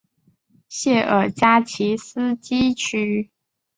谢尔加奇斯基区。